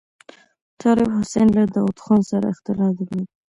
طالب حسین له داوود خان سره اختلاف درلود.